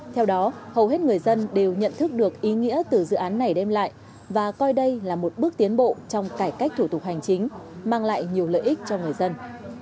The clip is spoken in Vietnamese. theo đó hầu hết người dân đều nhận thức được ý nghĩa từ dự án này đem lại và coi đây là một bước tiến bộ trong cải cách thủ tục hành chính mang lại nhiều lợi ích cho người dân